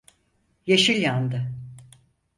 Yeşil yandı.